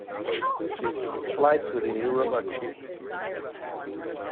Flights within Europe are cheap.